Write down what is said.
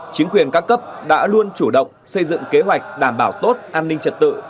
chính quyền các cấp đã luôn chủ động xây dựng kế hoạch đảm bảo tốt an ninh trật tự